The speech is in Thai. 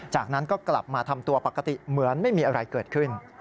จากนั้นก็กลับมาทำตัวปกติเหมือนไม่มีอะไรเกิดขึ้น